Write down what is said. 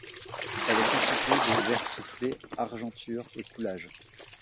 Elle est constituée de verre soufflé, argenture et coulages.